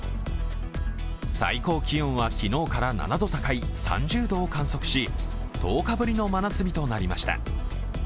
最高気温は昨日から７度高い３０度を観測し１０日ぶりの真夏日となりました。